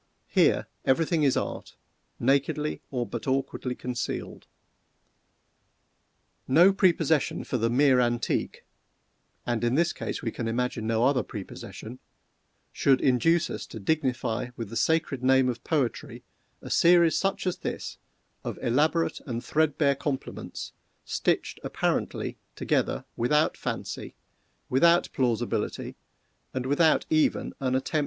Here every thing is art, nakedly, or but awkwardly concealed. No prepossession for the mere antique (and in this case we can imagine no other prepossession) should induce us to dignify with the sacred name of poetry, a series, such as this, of elaborate and threadbare compliments, stitched, apparently, together, without fancy, without plausibility, and without even an attempt at adaptation.